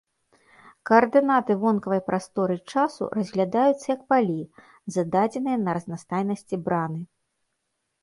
Каардынаты вонкавай прасторы-часу разглядаюцца як палі, зададзеныя на разнастайнасці браны.